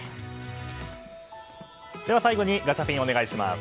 最後にガチャピンお願いします。